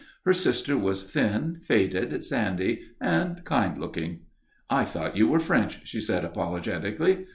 Her sister was thin, faded, sandy, and kind looking. "I thought you were French," she said, apologetically.